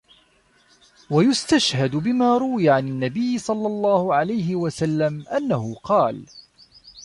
وَيَسْتَشْهِدُ بِمَا رُوِيَ عَنْ النَّبِيِّ صَلَّى اللَّهُ عَلَيْهِ وَسَلَّمَ أَنَّهُ قَالَ